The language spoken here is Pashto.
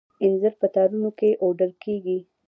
انځر په تارونو کې اوډل کیږي.